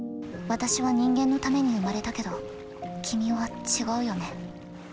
私は人間のために生まれたけど君は違うよね。